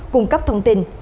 cung cấp thông tin